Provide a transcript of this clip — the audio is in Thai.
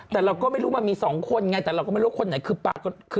แต่เราก็ไม่รู้มันมี๒คนไงแต่เราก็ไม่รู้คนไหนคือปรากฏ